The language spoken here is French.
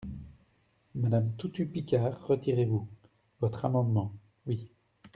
Madame Toutut-Picard, retirez-vous votre amendement ? Oui.